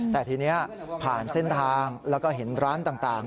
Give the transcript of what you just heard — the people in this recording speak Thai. แต่ทีนี้ผ่านเส้นทางแล้วก็เห็นร้านต่าง